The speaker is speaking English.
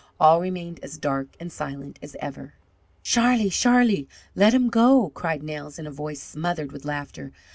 All remained as dark and silent as ever. "Sharlie, Sharlie, let him go!" cried Nels, in a voice smothered with laughter.